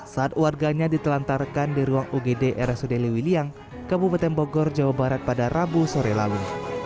saat warganya ditelantarkan di ruang ugd rsud lewiliang kabupaten bogor jawa barat pada rabu sore lalu